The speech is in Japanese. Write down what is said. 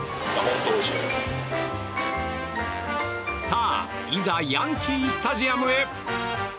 さあ、いざヤンキー・スタジアムへ。